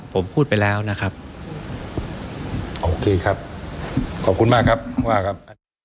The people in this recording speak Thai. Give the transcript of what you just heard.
ผมพูดไปแล้วนะครับโอเคครับขอบคุณมากครับผู้ว่าครับ